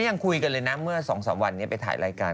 ยังคุยกันเลยนะเมื่อ๒๓วันนี้ไปถ่ายรายการ